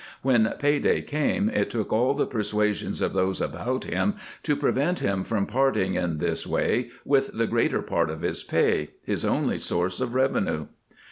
"When pay day came, it took aU the persuasion of those about him to prevent him from parting in this way with the greater part of his pay, his only source of revenue.